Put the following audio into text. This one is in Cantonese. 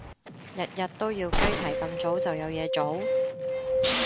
日日都要雞啼咁早就有嘢做？